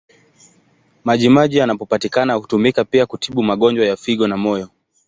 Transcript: Maji maji yanayopatikana hutumika pia kutibu magonjwa ya figo na moyo.